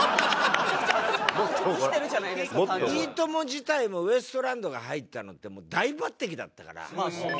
『いいとも！』自体もウエストランドが入ったのってもう大抜擢だったから。